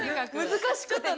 難しくて。